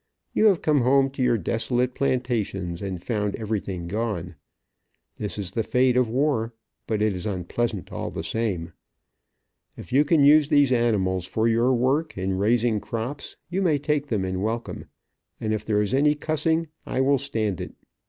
You have come home to your desolate plantations, and found everything gone. This is the fate of war, but it is unpleasant all the same. If you can use these animals for your work, in raising crops, you may take them in welcome, and if there is any cussing, I will stand it.